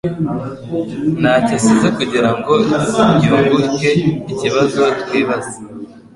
ntacyo asize kugirango yungukeikibazo twibaza